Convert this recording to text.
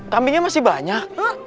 kambingnya masih banyak